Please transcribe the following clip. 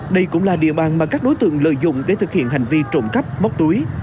đây cũng là địa bàn mà các đối tượng lợi dụng để thực hiện hành vi trộm cắp móc túi